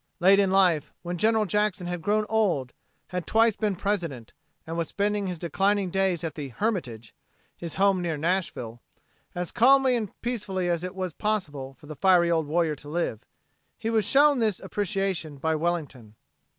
Late in life when General Jackson had grown old, had twice been President, and was spending his declining days at the "Hermitage," his home near Nashville, as calmly and peacefully as it was possible for the fiery old warrior to live, he was shown this appreciation by Wellington.